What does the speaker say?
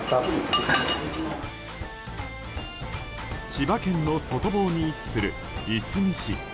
千葉県の外房に位置するいすみ市。